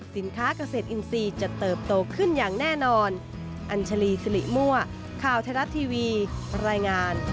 สินค้าเกษตรอินทรีย์จะเติบโตขึ้นอย่างแน่นอน